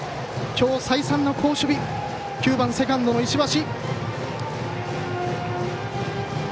今日、再三の好守備９番、セカンドの石橋。